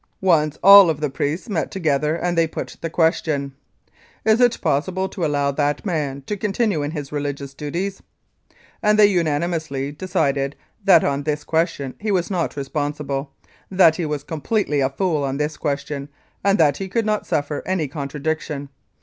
Once all of the priests met together, and they put the question : "Is it possible to allow that man to continue in his religious duties ?" And they unanimously decided that on this ques tion he was not responsible, that he was completely a fool on this question, and that he could not suffer any contra diction.